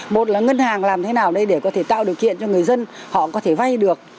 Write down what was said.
một là ngân hàng làm thế nào đây để có thể tạo điều kiện cho người dân họ có thể vay được